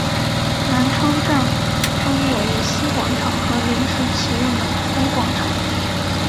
南昌站分为西广场和临时启用的东广场。